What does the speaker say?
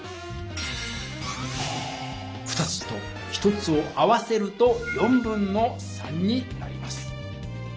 ２つと１つを合わせると3/4になります。